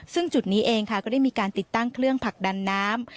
ซึ่งจุดนี้เองค่ะก็ได้มีการติดตั้งเครื่องผลักดันน้ำ